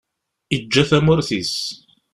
Yeǧǧa tamurt-is.